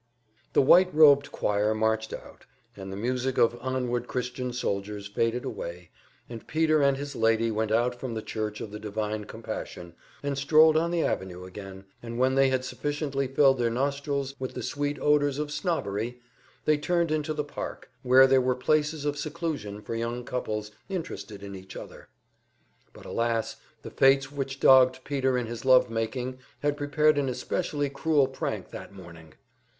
The white robed choir marched out, and the music of "Onward Christian Soldiers" faded away, and Peter and his lady went out from the Church of the Divine Compassion, and strolled on the avenue again, and when they had sufficiently filled their nostrils with the sweet odors of snobbery, they turned into the park, where there were places of seclusion for young couples interested in each other. But alas, the fates which dogged Peter in his love making had prepared an especially cruel prank that morning.